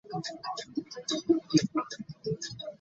She deduces that it must be Dawn.